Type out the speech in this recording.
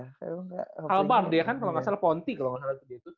halbar dia kan kalau gak salah ponti kalau gak salah